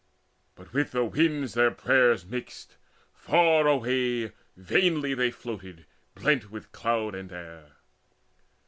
But with the winds their prayers mixed; far away Vainly they floated blent with cloud and air.